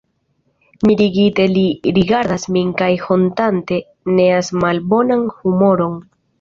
Mirigite li rigardas min kaj hontante neas malbonan humoron.